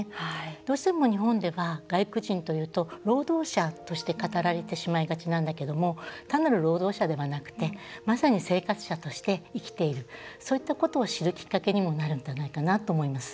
どうしても日本では外国人というと労働者として語られてしまいがちなんだけども単なる労働者ではなくてまさに生活者として生きているそういったことを知るきっかけにもなるんじゃないかなと思います。